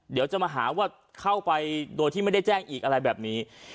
เดี๋ยวจะมาหาว่าเข้าไปโดยที่ไม่ได้แจ้งอีกอะไรแบบนี้